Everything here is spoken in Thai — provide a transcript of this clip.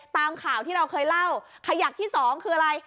ตามข่าวที่เราเคยเล่าขยักที่สองคืออะไร